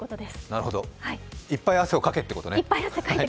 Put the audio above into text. なるほどいっぱい汗をかけってことね。